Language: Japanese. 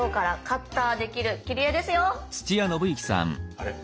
あれ？